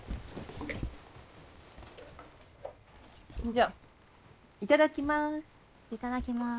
じゃあいただきます。